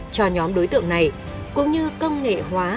cho nhóm đối tượng này cũng như công nghệ hóa